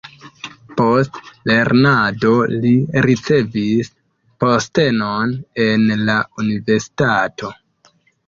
Post lernado li ricevis postenon en la universitato.